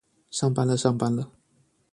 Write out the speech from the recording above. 上班了上班了